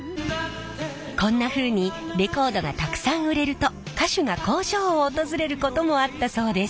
こんなふうにレコードがたくさん売れると歌手が工場を訪れることもあったそうです。